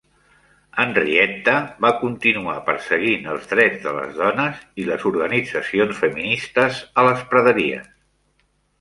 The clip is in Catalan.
Henrietta va continuar perseguint els drets de les dones i les organitzacions feministes a les praderies.